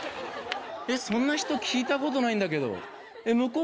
そんな人、聞いたことないんだけど。